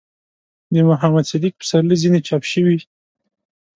،د محمد صديق پسرلي ځينې چاپ شوي